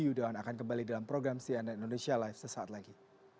saya yudi yudhawan akan kembali dalam program cna indonesia live sesaat lagi